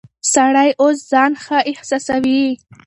سړی اوس ځان ښه احساسوي.